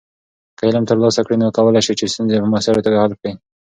که علم ترلاسه کړې، نو کولی شې چې ستونزې په مؤثره توګه حل کړې.